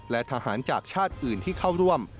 และทหารจากชาติอื่นที่เข้าร่วม